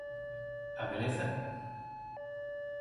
Á beleza?